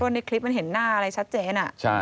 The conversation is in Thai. ในคลิปมันเห็นหน้าอะไรชัดเจน